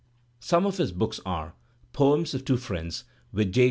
Some of his books are: Poems of Two Friends (with J.